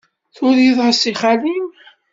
Turiḍ-as i xali-m?